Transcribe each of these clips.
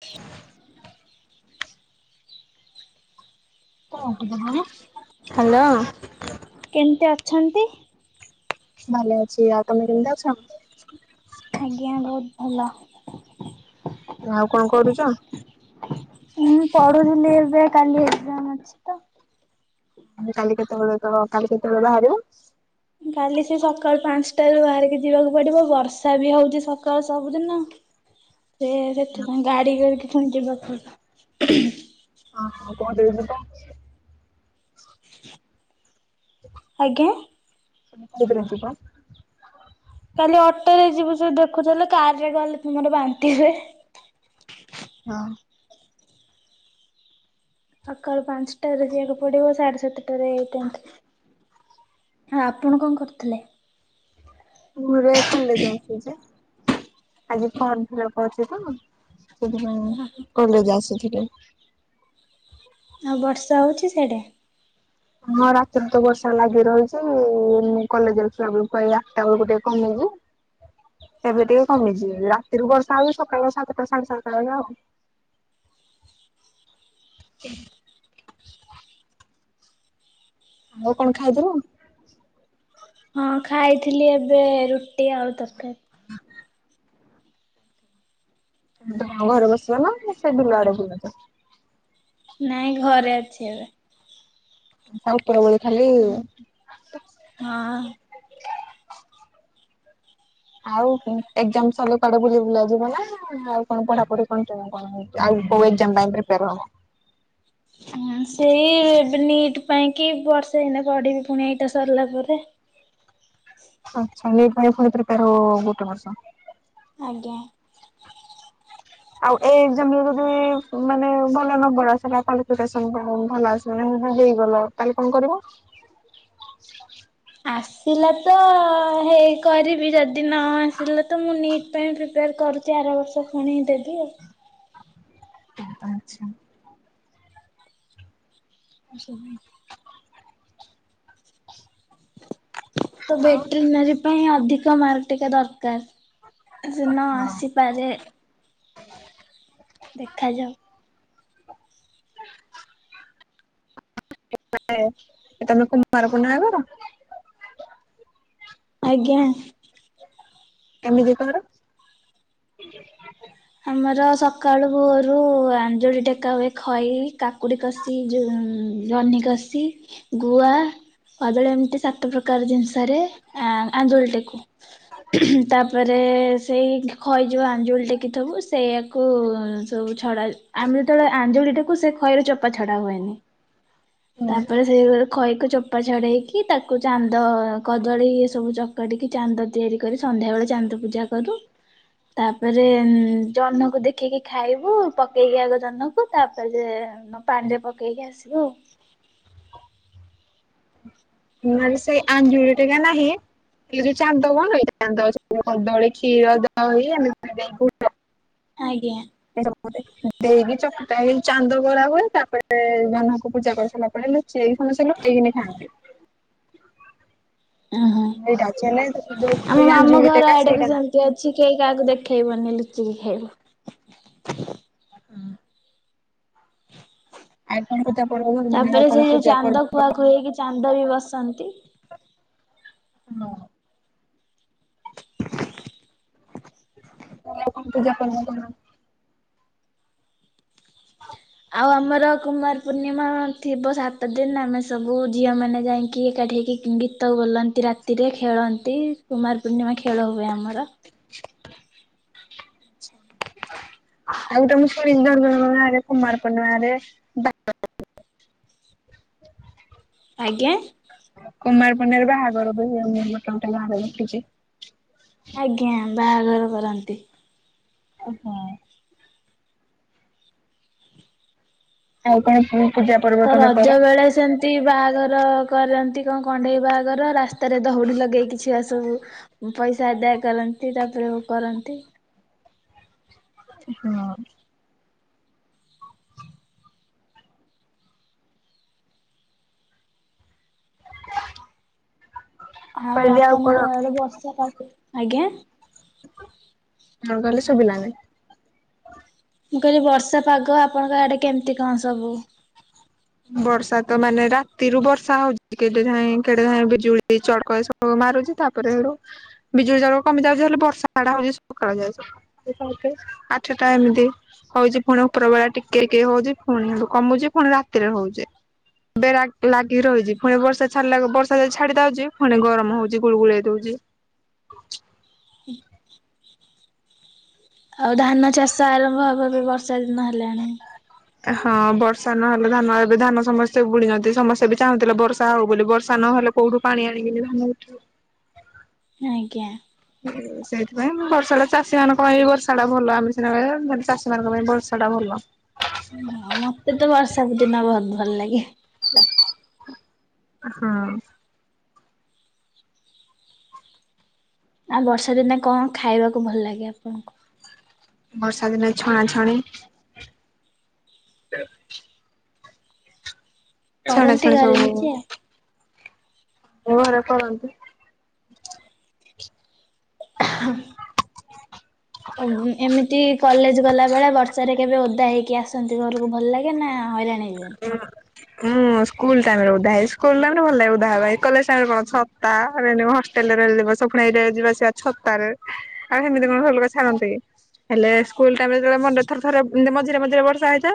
ଛି [inaudible] ହ୍ୟାଲୋ। କେମିତି ଅଛନ୍ତି? ଭଲ ଅଛି। ଆଉ ତମେ କେମିତି ଅଛ? ଆଜ୍ଞା ବହୁତ ଭଲ। ଆଉ କଣ କରୁଚ? ମୁଁ ପଢୁଥିଲି ଏବେ କାଲି ଏକ୍ଜାମ ଅଛି। ତ। କାଲି କେତେବେଳେ ତ କାଲି କେତେବେଳେ ବାହାରିବ। କାଲି ସେ ସକାଳୁ ପାଞ୍ଚଟାରୁ ବାହାରିକି ଯିବାକୁ ପଡିବ ବର୍ଷା ବି ହଉଚି ସକାଳୁ ସବୁଦିନ। ଫ ସେଥି କ ଗାଡି କରିକି ପୁଣି ଯିବାକୁ ପଡିବ। [unintelligible] ହ [inaudible] ଆଜ୍ଞା। [unintelligible] ଯିବ? କାଲି ଅଟୋ ରେ ଯିବୁ ସେ ଦେଖୁଥିଲେ କାର ରେ ଗଲେ ମୋର ବାନ୍ତିି ହୁଏ। ହଁ। ସକାଳୁ ପାଞ୍ଚଟାରେ ଯିବାକୁ ପଡିବ ସାଢେ ସାତଟାରେ ହେଇଥାନ୍ତି। ହଁ ଆପଣ କଣ କରୁଥିଲେ? [unintelligible] କଲେଜ ଆସିଚି ଆଜି ଫର୍ମ ଫିଲପ୍ ଅଛି ତ। ସେଥିପାଇଁ କଲେଜ ଆସିଥିଲି। ଆଉ ବର୍ଷା ହଉଚି ସିଆଡେ? ହଁ ରାତିରେ ତ ବର୍ଷା ଲାଗି ରହିଛି ମୁଁ କଲେଜରେ ଥିଲା ବେକୁ କ ଆଠଟା ବେଳକୁ ଟିକେ କମିଚି। ହ [inaudible] ଏବେ ଟିକେ କମିଚି ରାତିରୁ ବର୍ଷା ହଉ ସକାଳ ସାତଟା ସାଢେ ସାତଟା ବେଳେ ଆଉ। [inaudible] ହ [unintelligible] ଆଉ କଣ ଖାଇଥିଲ? ହଁ ଖାଇଥିଲି ଏବେ ରୁଟି ଆଉ ତରକାରୀ। ତ ଘରେ ବସିବା ନା ସେ ବିଲ ଆଡେ ବୁଲୁଚ? ନାଇଁ ଘରେ ଅଛି ଏବେ। [unintelligible] ଖାଲି ହଁ। ଆଉ ଏକଜାମ ସରିଲେ କୁଆଡେ ବୁଲି ବୁଲା ଯିବ ନା ଆଉ କଣ ପଢାପଢି କଣ କଣ [unintelligible] ଆଉ କେଉ ଏକଜାମ ପାଇଁ ପ୍ରିପେୟାର ହବ? ହଁ ସେଇ ନିଟ୍ ପାଇଁ କି ବର୍ଷେ ହେଇନା ପଢିବି ପୁଣି ଏଇଟା ସରିଲା ପରେ। ଆଚଛାଇ ପ୍ରିପେୟାର ହୁ ଗୋଟେ ବର୍ଷ। ଆଜ୍ଞା। ଆଉ ଏଇ ଏକ୍ଜାମରେ ଯଦି ମାନେ ଭଲ ନମ୍ବର ଆସିଲା କ୍ୱାଲିଫିକେସନ ଭଲ ଆସେ। ମୋନେ ହୁ ହୁ ହେଇଗଲ କାଲି କଣ କରିବ? ଆସ ଆସିଲା ତ ହେଇ କରିବି ଯଦି ନ ଆସିଲା ତ ମୁଁ ନିଟ୍ ପାଇଁ ପ୍ରିପେୟାର କରୁଛି। ଚାର ବର୍ଷ ପୁଣି ଦେବି ଆଉ ଆଛା। ଆସୁନି। ତ ବେଟେନାରୀ ପାଇଁ ଅଧିକ ମାର୍କ ଟିକେ ଦରକାର ସିନା ଆସି ପରେ ଦେଖାଯାଉ। ତମେ କୁମାର ପୁଣିମା କର [unintelligible] ଆଜ୍ଞା। କେମିତି କର? ଜିକ୍ଞା [inaudible] ଆମର ସକାଳୁ ଭୋରୁ ଆଞ୍ଜୁଳି ଟେକା ହୁଏ ଖଇ, କା କକୁଡି କଷି, ଯୋ ଜହ୍ନି କଷି ଗୁଆ କଦଳୀ ଏମିତି ସାତ ପ୍ରକାର ଜିନିଷରେ ଆଞ୍ଜୁଳି ଟେକୁ। ତାପରେ ସେଇ ଖଇଯୋଉ ଆଞ୍ଜୁଳି ଟିକେ ଟେକିଥିବୁ ସେଇୟାକୁ ସବୁ ଛଡା, ଆମେ ଯେତେବେଳେ ଆଞ୍ଜୁଳି ଟେକୁ ସେ ଖଇର ଚୋପା ଛଡା ହୁଏନି। ତାପରେ ସେଇ ଖଇକୁ ଚୋପା ଛଡେଇକି, ତାକୁ ଚାନ୍ଦ କଦଳୀ ଏ ସବୁ ଚକାଟିକି ଚାନ୍ଦ ତିଆରି କରି ସନ୍ଧ୍ୟା ବେଳେ ଚାନ୍ଦ ପୂଜା କରୁ। ତାପରେ ହୁଁ ଜହ୍ନ କୁ ଦେଖିକି ଖାଇବୁ ପକେଇକି ଆଗ ଜହ୍ନ କୁ, ତାପରେ ନ ପାଣିରେ ପକେଇକି ଆସିବୁ ଆଉ। ନହେଲେ ସେଇ ଆଞ୍ଜୁଳି ଟେକା ନାହିଁ। ଏ ଯୋଉ ଚାନ୍ଦ କଣ ଚାନ୍ଦ ସବୁ କଦଳୀ, କ୍ଷୀର, ଦହି ଏମିତି [unintelligible] ଆଜ୍ଞା। ଦେଇକି ଚକଟା ହେଇ ଚାନ୍ଦ କରା ହୁଏ। ତାପରେ ଜହ୍ନ ଙ୍କୁ ପୂଜା କରି ସାରିଲା ପରେ ସେ ଖିନା ସେ ଲୁଚେଇକି ଖାଆନ୍ତି। ଓହୋ ଏଇଟା ଅଛି ହେଲେ, ସେ ଯୋଉ ଖଇ ଆଞ୍ଜୁଳି ଟେକା ସେଇଟା ନାହିଁ। [unintelligible] ସେ କେଇ କାହାକୁ ଦେଖେଇବନି ଲୁଚିକି ଖାଇବୁ। ହୁଁ। ଆପଣ ପୂଜା ପରରୁ ମାନେ ଆଉ କଣ ପୂଜା ପର୍ବ ଖୁଆ-ଖୁଇ ହେଇକି ଚାନ୍ଦ ବି ବସାନ୍ତି। ହଁ। ଆଉ ପୂଜା କରନ୍ ତମେ? ଆଉ ଆମର କୁମାର ପୂର୍ଣ୍ଣିମା ଥିବ ସାତ ଦିନ ଆମେ ସବୁ ଝିଅମାନେ ଯାଇକି ଏକାଠି ହେଇକି ଗୀତ ବୋଲନ୍ତି ରାତିରେ, ଖେଳନ୍ତି କୁମାର ପୂର୍ଣ୍ଣିମା ଖେଳ ହୁଏ ଆମର। ଆଉ ଗୋଟେ ମୁଁ ଶୁଣିଛି ଜନ୍ ଜନ୍ କୁମାର ପୂର୍ଣ୍ଣିମା ରେ ଆଜ୍ଞା। କୁମାର ପୂ୍ଣ୍ଣିମା ବାହାଘର ବି ହୁଏ ମୁଁ ଗୋଟେ ଗୋଟେ ଗାଁ ରେ ମୁଁ ଦେଖିଛି। ଆଜ୍ଞା ବାହାଘର କରନ୍ତି। ଓହୋ! ଆଉ କଣ କୁ ତ ରଜ ବେଳେ ସେମତି ବାହାଘର କରନ୍ତି କଣ କଣ୍ଢେଇ ବାହାଘର ରାସ୍ତାରେ ଦଉଡ଼ି ଲଗେଇକି ଛୁଆ ସବୁ ପଇସା ଆଦାୟ କରନ୍ତି, ତାପରେ କରନ୍ତି। ହଁ! ଆଉ କହିଲି କଣ ଆପଣଙ୍କ ଆଡେ ବର୍ଷା? ଆଜ୍ଞା! କଣ କହିଲେ ସବୁିଲାନେ? ମୁଁ କହିଲି ବର୍ଷା ପାଗ, ଆପଣଙ୍କ ଆଡେ କେମିତି କଣ ସବୁ? ବର୍ଷା ତ ମାନେ ରାତିରୁ ବର୍ଷା ହଉଛି, କେଡେ ଯାଏଁ କେଡେ ଯାଏଁ ବିଜୁଳି ଚଳକ ମାରୁଛି ତାପରେ ସେଡୁ ବିଜୁଳି ଜଳ କମି ଯାଉଛି ହେଲେ, ବର୍ଷା ମାଡ ହଉଛି ସକାଳ ଯାଉଛି। ଆଠଟା ଏମିତି। ହଉଛି ପୁଣି ଉପର ବେଳା ଟିକେ-ଟିକେ ହଉଛି ପୁଣି କମୁଛି ପୁଣି ରାତିରେ ହଉଛି। ବେରା ଲାଗି ରହିଛି ପୁଣି ବର୍ଷା ଛାଡିଲା ବେଳକୁ ବର୍ଷା ଯା ଛାଡି ଦଉଛି, ପୁଣି ଗରମ ହଉଛି ଗୁଳଗୁଳି ଦଉଛି। ଆଉ ଧାନ ଚାଷ ଆରମ୍ଭ ହବ ବି ବର୍ଷା ଦିନ ହେଲାଣି। ହଁ! ବର୍ଷା ନହେଲେ ଧାନ ଏବେ ଧାନ ସମସ୍ତେ ବୁଣିଛନ୍ତି। ସମସ୍ତେ ବି ଚାହୁଁଥିଲେ, ବର୍ଷା ହଉ ବୋଲି ବର୍ଷା ନହଲେ କଉଠୁ ପାଣି ଆଣିକି ଦେବେ ତମଠ ଆଜ୍ଞା! ହୁଁ! ସେଇଥି ପାଇଁ ବର୍ଷାଟା ଚାଷୀ ମାନଙ୍କ ପାଇଁ ବର୍ଷା ଟା ଭଲ ଆମେ ସେନା କହିଦେବା ହେଲେ, ଚାଷୀ ମାନଙ୍କ ପାଇଁ ବର୍ଷା ଟା ଭଲ। ହଁ! ମତେ ତ ବର୍ଷା ଦିନ ବହୁତ ଭଲ ଲାଗେ। ହଁ [unintelligible] ଆଉ ବର୍ଷା ଦିନେ କଣ ଖାଇବାକୁ ଭଲ ଲାଗେ ଆପଣଙ୍କୁ। ବର୍ଷା ଦିନେ ଛଣା ଛଣି। ଛଡା କରନ୍ତି ଛାଉ ଘରେ ସବୁ। ନିଜେ? ଘରେ କରନ୍ତୁ। ହଁ। ଏମିତି କଲେଜ ଗଲାବେଳେ ବର୍ଷାରେ କେବେ ଓଦା ହେଇକି ଆସନ୍ତି ଘରକୁ ଭଲ ଲାଗେ ନା ହଇରାଣ ଦିଅନ୍ତି ଉ ମୁଁ ସ୍କୁଲ ଟାଇମ ରେ ଉଧା ସ୍କୁଲ ଟାଇମ ରେ ଭଲ ଲାଗେ ଉଧାହ ଭାଇ କଲେଜ ଟାଇମରେ କଣ ରେ ହଷ୍ଟେଲ ରେ ରିବ ସୁ ଏଇ ଯିବାସିବା ଛତା ରେ। ଆଉ ସେମିତି କଣ ହଲୋକ ଛାଡ଼ନ୍ତି କି। ହେଲେ ସ୍କୁଲ ଟାଇମ ରେଳେ ମରେ ଥରେ ଥରେ ମଝିରେ ମଝିରେ ବର୍ଷା ହେଇଥା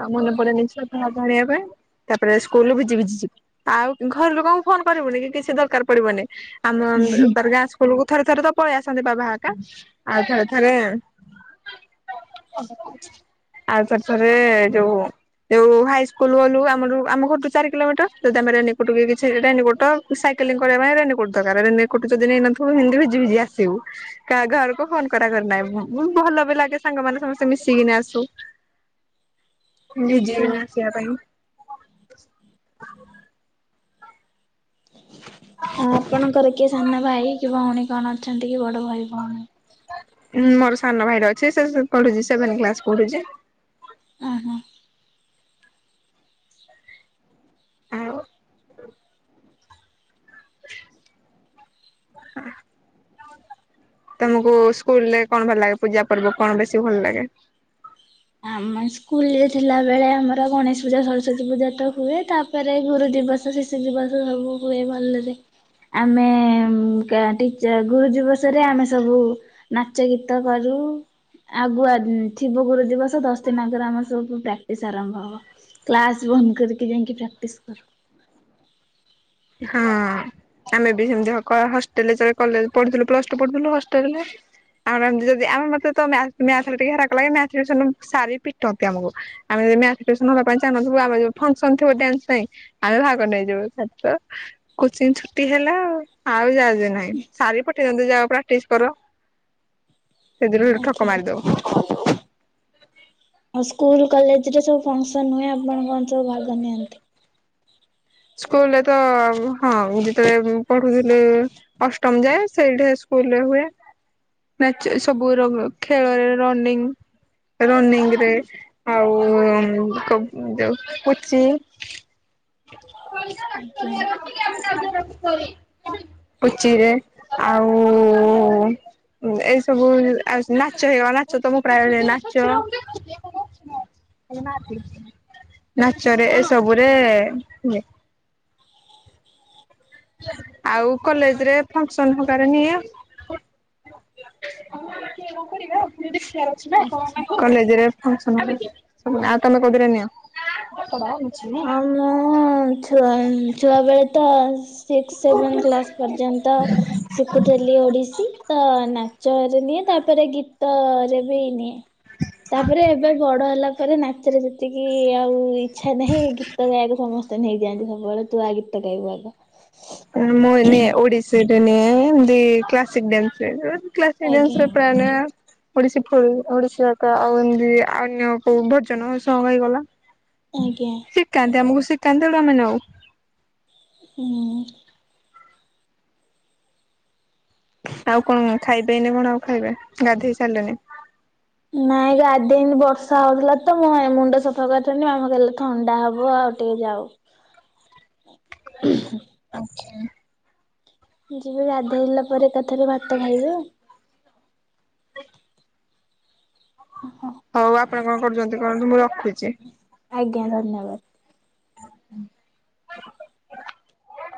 ଆଉ ମନେ ପଡେନ। ହ ଧାରିବା ପାଇଁ ତାପରେ ସ୍କୁଲୁ ଭିଜି ଭିଜିଯିବୁ ଆଉ ଘର ଲୋକଙ୍କୁ ଫୋନ କରିବୁନି କି କିଛି ଦରକାର ପଡିବନି। ଆମରଗାଁ ସ୍ୁଲକୁ ଥରେ ଥରେ ତ ପଳେଇ ଆସନ୍ତି ବାବାକା ଆଉ ଥରେ ଥରେ ଆଉ ତାର ଥରେ ଯୋଉ ଯୋଉ ହାଇସ୍କୁଲ ହଲୁ ଆମର ଆମ ଘରଠୁ ଚାରି କିଲୋମିଟର ଯଦି ଆମରେ ନିକଟ କିଛି ନିକଟ। ସାଇକେଲିଂ କରିବା ପାଇଁ ରେନିୋଟ ଦର ରେନିୋଟ ଯଦ ନେଇ ନଥିବ ହିତି ଭିଜି ଭିଜି ଆସିବୁ। ଘରକୁ ଫୋନ କରା କରି ନାହିଁ ଭଲ ବି ଲାଗେ ସାଙ୍ଗମାନୋନ ସମସ୍ତେ ମିଶିକିନ ଆସୁ। [inaudible] ଜ ଜି ଆଜ୍ଞା। ବିନାସିବା ପାଇଁ। ଆପଣଙ୍କର କିଏ ସାନ ଭାଇ କି ଭଉଣୀ କଣ ଅଛନ୍ତି କି ବଡ ଭାଇ ଭଉଣୀ। ମୋର ସାନ ଭାଇର ଅଛି ସେ ପଢୁଛି ସେଭେନ କ୍ଲାସ ପଢୁଛି। ଓ ହୋ। ଆଉ। [inaudible] [inaudible] ତମକୁ ସ୍କୁଲରେ କଣ ଭଲ ଲାଗେ ପୂଜା ପର୍ବ କଣ ବେଶୀ ଭଲ ଲାଗେ। ଆମ ସ୍କୁଲରେ ଥିଲାବେଳେ ଆମର ଗଣେଶ ପୂଜା ସରସ୍ଵତୀ ପୂଜା ତ ହୁଏ ତା। ରେ ଗୁରୁ ଦିବସ ଶିଶୁ ଦିବସ ସବୁ ହୁଏ ଭଲରେ ଆମେ ଗୁରୁ ଦିବସରେ ଆମେ ସବୁ। ନାଚ ଗୀତ କରୁ ଆଗୁଆ ଥିବ ଗୁରୁ ଦିବସ। ଦଶ ଦିନ ଆଗରେ ଆମର ସବୁ ପ୍ରାକ୍ଟିସ ଆରମ୍ଭ ହବ କ୍ଲାସ ବନ୍ଦ କରିକି ଯାଇକି ପ୍ରାକ୍ଟିସ କର। ହଁ। ଆମେ ବି ସେମିତି ହଷ୍ଟେଲଲେ ପଢୁଥିଲୁ ପ୍ଲସ ଟୁଥିଲୁ ହେଲରେ। ଆମରମତି ଯଦି ଆମେ ମତେ ମ ଟିକେ ହେରାକ ଲାଗେ ମ ଶୁଣୁ ସାରି ପିଟନ୍ତି ଆମକୁ। ଆମେ ଯଦିସ ହବା ପାଇଁ ଚାଁହିଁବୁ ଆମ ଯ ଫଙ୍କସନ ଥିବ ଡ୍ୟାନ୍ସ ପାଇଁ ଆମେ ଭାଗ ନେଇଯିବୁ। ହ। କୋଚିଂ ଛୁଟି ହେଲା ଆ ଆଉ ଯାହା ଯେ ନାହିଁ ସାରି ପଠେଇନ୍ତ ଯା ପ୍ରାକ୍ଟିସ କର। ହ। ସେଥିରୁ ହେଠୁ ଆଉ ଠକ ମାରିଦଉ ସ୍କୁଲ କଲେଜରେ ସବୁ। ଫୁନକ୍ସନ ନୁହେଁ ଆପଣଙ୍କଞ୍ଚ ଭାଗ ନିଅନ୍ତି। ସ୍କୁଲରେ ତ ହଁ ମୁ ଯେତେବେଳେ ପଢୁଥିଲି। ଅଷ୍ଟମ ଯାଏ ସେଇଠି ସ୍କୁଲରେ ହୁଏ। ନାଚ ସବୁ ଖେଳରେ ରନିଂ। ରନିଂ ରେ ଆଉ କୁଚି। ହୁଁ। ଆଜ୍ଞା। ପୁଚିରେ ଆଉ ଏଇ ସବୁ ଆଉ ନାଚ ହେଇଗ ନାଚ ତମକୁା ନାଚ। ନାଚରେ ଏ ସବୁରେ ଏ [unintelligible] ଆଉ କଲେଜରେ ଫଙ୍କସନ ହବାରେ ହିଁ ନି, ଆ କରିବା ଆଚ୍ଛା ନିଦଶ କଲେଜରେ ଫଂକ୍ସନ ଆଉ ତମେ କୋଉଥିରେ ନିଅ। ହଁ ମୁଁଛୁଆ ଛୁଆବେେଳେ ତ ସିକ୍ସ ସେଭେନ୍ କ୍ଲାସ୍ ପର୍ଯ୍ୟନ୍ତ। ଶିଖୁଥିଲି ଓଡ଼ିଶୀ ତ ନାଚରେ ନିଏ, ତାପରେ ଗୀତରେ ବି ନିଏ। ତାପରେ ଏବେ ବଡ ହେଲା ପରେ ନାଚରେ ଯେତିକି ଆଉ ଇଛା ନାହିଁ। ହେଇ ଗୀତ ଗାଇବାକୁ ସମସ୍ତେ ନେଇଯାଆନ୍ତି। ସବୁବେଳେ ତୁ ଆ ଗୀତ ଗାଇବୁ ଆଗ ମୁଁ ନିଏ ଓଡିଶୀରେ ନିଏ ବି କ୍ଲାସିକ ଡ୍ୟାନ୍ସରେ ଆଜ୍ଞା କ୍ଲାସସରପ୍ରାୟ ନିଏ। ଓଡିଶୀ ଫ ଓଡିଶୀ ଆ ଆଉ ଏମତି ଅନ୍ୟ କୋଉ ଭୋଜନସଂଗ ହୋଇଗଲା। ଆଜ୍ଞା। କାନ୍ଦେ ଆମକୁ ସେ କାନ୍ଦଟା ଆମେ ନୋଉ। ହଁ। ଆଉ କଣ ଖାଇବେଇନି କଣ ଆଉ ଖାଇବେ ଗାଧେଇ ସାରିଲେନି। ନାଇଁ ଗାଧେଇନି ବର୍ଷା ହଉଥିଲା ତ ମୁ ମୁଣ୍ଡ ସଫା କରିଥିଲି ଆମ କଲେ ଥଣ୍ଡା ହବ ଆଉ କଟେଇ ଯାଉ। ଆଛା। ଯିବେ ଗାଧେଇଲା ପରେ ଏକାଥରେ ଭାତ ଖାଇବେ ଆଉ ହଁ। ହଉ ଆପଣ କଣ କରୁଛନ୍ତି? ସେ କରନ୍ତୁ ମୁଁ ରଖୁଛି। ଆଜ୍ଞା ଧନ୍ୟବାଦ। [inaudible]